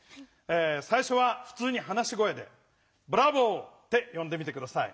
さいしょはふつうに話し声で「ブラボー」ってよんでみて下さい。